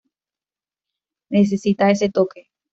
Necesita ese toque".